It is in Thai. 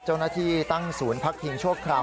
เจ้าหน้าที่ตั้งศูนย์พักพิงชั่วคราว